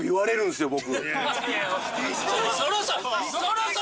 そろそろ。